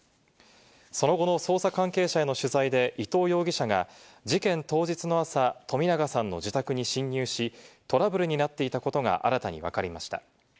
その後の捜査関係者への取材で、伊藤容疑者が事件当日の朝、冨永さんの自宅に侵入し、トラブルになっていたことが新たにわかりました。